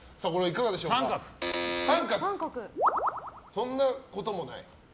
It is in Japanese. そんなこともない？